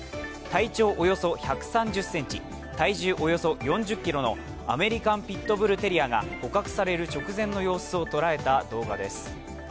体長およそ１３０ｃｍ、体重およそ４０ｋｇのアメリカン・ピット・ブル・テリアが捕獲される直前の様子を捉えた動画です。